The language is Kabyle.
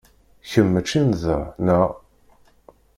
Kemm mačči n da, neɣ?